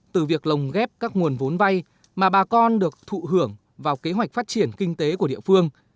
từ việc lồng ghép các nguồn vốn vay mà bà con được thụ hưởng vào kế hoạch phát triển kinh tế của địa phương